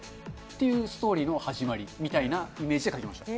というストーリーの始まりみたいなイメージで描きました。